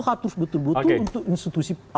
harus betul betul untuk institusi